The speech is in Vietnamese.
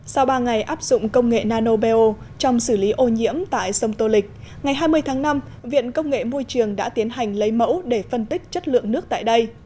sau ba ngày áp dụng công nghệ nanobeo trong xử lý ô nhiễm tại sông tô lịch ngày hai mươi tháng năm viện công nghệ môi trường đã tiến hành lấy mẫu để phân tích chất lượng nước tại đây